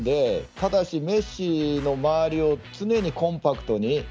ただし、メッシの周りを常にコンパクトに。